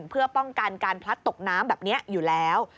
เพื่อป้องกันการพลัดตกน้ำแบบนี้อยู่แล้ว